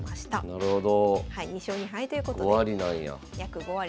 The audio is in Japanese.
なるほど。